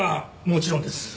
もちろんです。